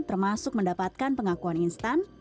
termasuk mendapatkan pengakuan instan